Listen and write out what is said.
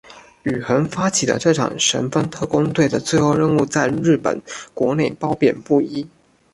宇垣发起的这场神风特攻队的最后任务在日本国内褒贬不一。